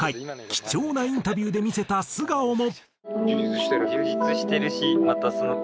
貴重なインタビューで見せた素顔も。